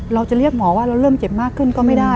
เราจะเรียกหมอว่าเราเริ่มเจ็บมากขึ้นก็ไม่ได้